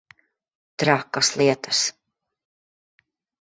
Trakas lietas.